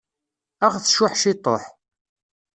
Ad aɣ-tcuḥ ciṭuḥ.